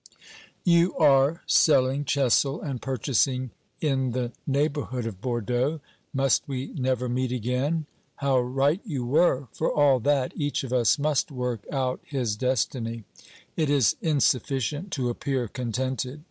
You are selling Chessel and purchasing in the neigh bourhood of Bordeaux. Must we never meet again? How right you were ! For all that, each of us must work out his destiny. It is insufficient to appear contented.